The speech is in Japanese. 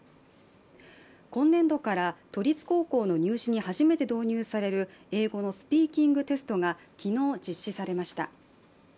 今年度から、都立高校の入試に初めて導入される英語のスピーキングテストが、昨日、実施されました。